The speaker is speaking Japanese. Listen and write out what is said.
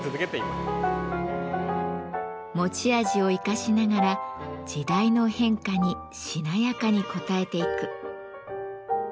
持ち味を生かしながら時代の変化にしなやかに応えていく。